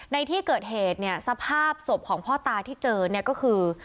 ในที่เกิดเหตุเนี่ยสภาพศพของพ่อตาที่เจอเนี่ยก็คือ